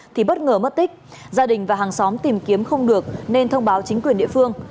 thì bất ngờ mất tích gia đình và hàng xóm tìm kiếm không được nên thông báo chính quyền địa phương